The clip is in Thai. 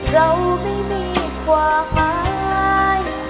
เราไม่มีความหมาย